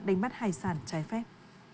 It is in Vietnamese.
đánh bắt hải sản trẻ phép